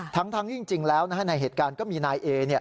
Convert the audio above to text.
ทั้งจริงแล้วในเหตุการณ์ก็มีนายเอ